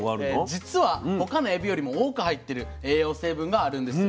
実は他のエビよりも多く入ってる栄養成分があるんです。